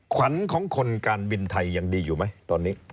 ขวัญของคนการบินไทยยังดีอยู่ไหมตอนนี้